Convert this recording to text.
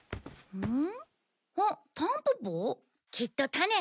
うん？